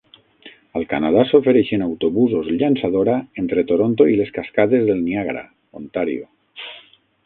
Al Canadà, s'ofereixen "autobusos llançadora" entre Toronto i les cascades del Niàgara, Ontario.